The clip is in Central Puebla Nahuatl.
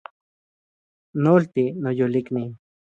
Nolti, noyolikni